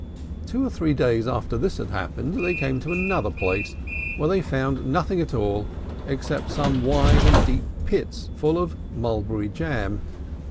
Two or three days after this had happened, they came to another place, where they found nothing at all except some wide and deep pits full of mulberry jam.